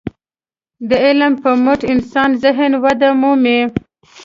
د علم په مټ انساني ذهن وده مومي.